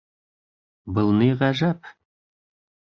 — Был ни ғәжәп!